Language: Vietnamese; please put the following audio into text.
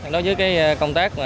đối với công tác